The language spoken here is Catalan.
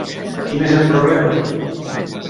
Quin és el problema?